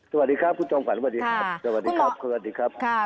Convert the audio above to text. สวัสดีครับคุณจงฝันสวัสดีครับ